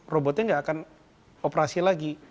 robotnya nggak akan operasi lagi